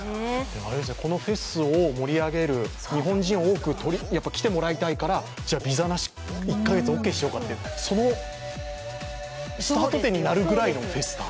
このフェスを盛り上げる、日本人に多く来てもらいたいからビザなし１カ月オーケーしようかとそのスタート点になるぐらいのフェスタ。